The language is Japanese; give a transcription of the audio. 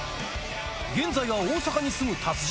現在は大阪に住む達人。